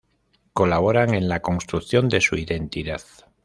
Colaboran en la construcción de su identidad.